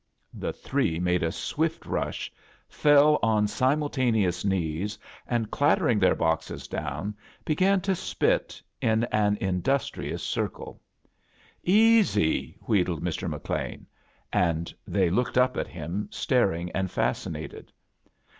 The three made a swift rtoh, fell oo si tj moltaoeoas knees, and, clattering their ^<| boxes down, began to spit in an industri ous circle. "EMyl" wheedled Blr. HcLean, and they looked up at him, staring and fasci nated.